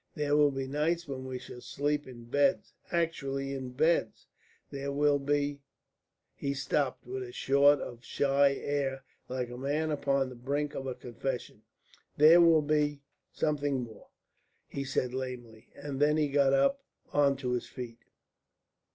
There will be nights when we shall sleep in beds, actually in beds. There will be " He stopped with a sort of shy air like a man upon the brink of a confession. "There will be something more," he said lamely, and then he got up on to his feet.